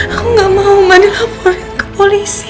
aku nggak mau ma dilaporin ke polisi